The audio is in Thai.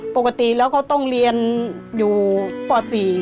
ปกติแล้วเขาต้องเรียนอยู่ป๔